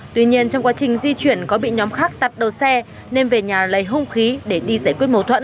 tuy nhiên trong quá trình di chuyển có bị nhóm khác tắt đầu xe nên về nhà lấy hung khí để đi giải quyết mâu thuẫn